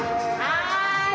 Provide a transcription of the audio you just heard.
はい。